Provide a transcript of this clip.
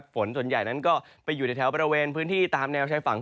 ฝนส่วนใหญ่นั้นก็ไปอยู่ในแถวบริเวณพื้นที่ตามแนวชายฝั่ง